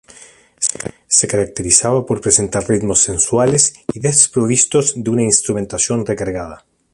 Se caracterizaba por presentar ritmos sensuales y desprovistos de una instrumentación recargada.